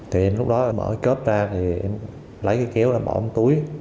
thì em lúc đó mở cớp ra thì em lấy cái kéo làm bỏ bóng túi